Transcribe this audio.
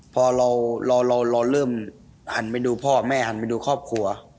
พอเราเราเริ่มหันไปดูพ่อแม่หันไปดูครอบครัว